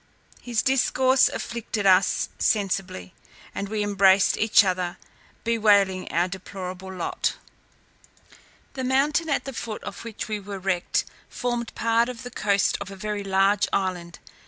His discourse afflicted us sensibly, and we embraced each other, bewailing our deplorable lot. The mountain at the foot of which we were wrecked formed part of the coast of a very large island.